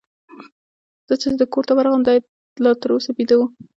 زه چي د ده کور ته ورغلم، دی لا تر اوسه بیده وو.